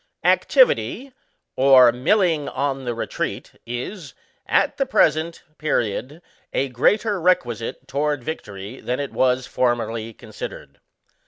Activity, or milling on the retreat, is, at the present period, a greater requisite toward victory than it was formerly considered.